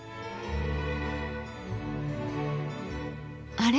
あれ？